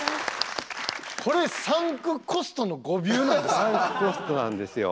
これサンクコストの誤謬なんですか？